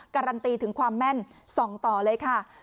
การันตีถึงความแม่นส่องต่อเลยค่ะ